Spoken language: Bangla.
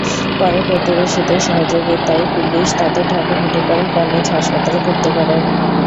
পরে প্রতিবেশীদের সহযোগিতায় পুলিশ তাদের ঢাকা মেডিকেল কলেজ হাসপাতালে ভর্তি করে।